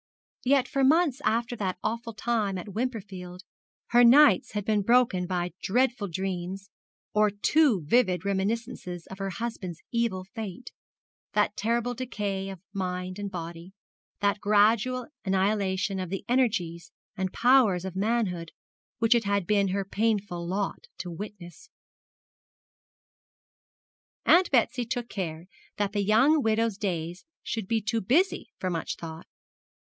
Yet for months after that awful time at Wimperfield her nights had been broken by dreadful dreams or too vivid reminiscences of her husband's evil fate, that terrible decay of mind and body, that gradual annihilation of the energies and powers of manhood which it had been her painful lot to witness. Aunt Betsy took care that the young widow's days should be too busy for much thought.